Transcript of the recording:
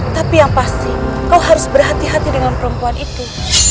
tapi yang pasti kau harus berhati hati dengan perempuan itu